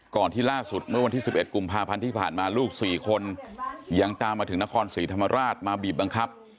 ที่ล่าสุดเมื่อวันที่๑๑กุมภาพันธ์ที่ผ่านมาลูก๔คนยังตามมาถึงนครศรีธรรมราชมาบีบบังคับ